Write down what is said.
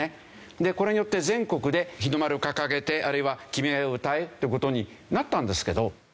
でこれによって全国で日の丸を掲げてあるいは『君が代』を歌えって事になったんですけど。